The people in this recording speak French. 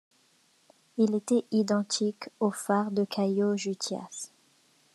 Il était identique au phare de Cayo Jutías.